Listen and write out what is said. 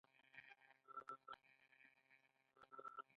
ایا څوک لرئ چې مرسته وکړي؟